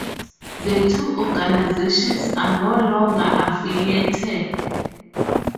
The two organizations are no longer affiliated.